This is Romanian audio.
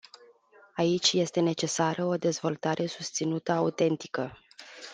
Aici este necesară o dezvoltare susținută autentică.